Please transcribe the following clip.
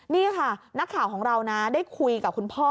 นี่ค่ะนักข่าวของเรานะได้คุยกับคุณพ่อ